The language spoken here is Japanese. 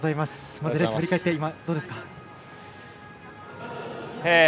まずレース振り返ってどうですか。